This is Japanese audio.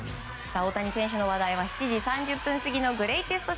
大谷選手の話題は７時３０分過ぎのグレイテスト